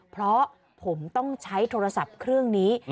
เพราะผมต้องใช้โทรศัพท์เครื่องนี้